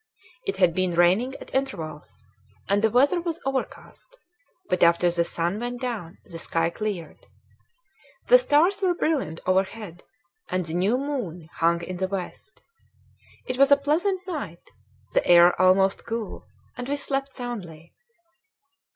It had been raining at intervals, and the weather was overcast; but after the sun went down the sky cleared. The stars were brilliant overhead, and the new moon hung in the west. It was a pleasant night, the air almost cool, and we slept soundly.